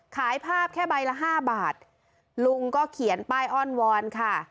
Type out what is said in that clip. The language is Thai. ขายภาพแค่ใบละห้าบาทลุงก็เขียนป้ายอ้อนวอนค่ะ